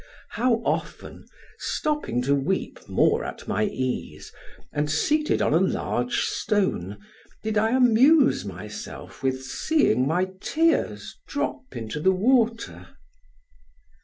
How often, stopping to weep more at my ease, and seated on a large stone, did I amuse myself with seeing my tears drop into the water.